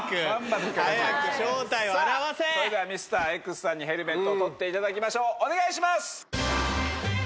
さあそれではミスターＸさんにヘルメットを取っていただきましょうお願いします。